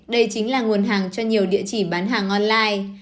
đây chính là nguồn hàng cho nhiều địa chỉ bán hàng online